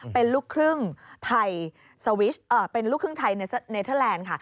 เป็นลูกครึ่งไทยเป็นลูกครึ่งไทยเนเทอร์แลนด์ค่ะ